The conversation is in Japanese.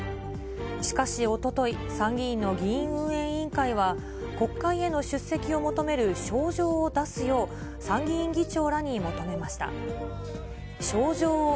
しかし、おととい、参議院の議院運営委員会は、国会への出席を求める招状を出すよう、参議院議長らに求めました。